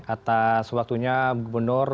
atas waktunya bu nur